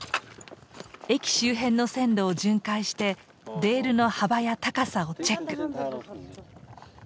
駅周辺の線路を巡回してレールの幅や高さをチェック。